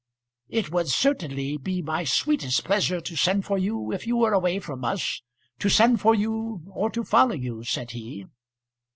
"It would certainly be my sweetest pleasure to send for you if you were away from us, to send for you or to follow you," said he.